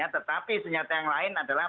tetapi senjata yang lain adalah